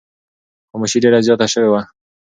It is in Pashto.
خاموشي ډېره زیاته شوې وه.